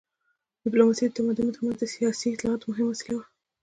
ډیپلوماسي د تمدنونو تر منځ د سیاسي اطلاعاتو مهمه وسیله وه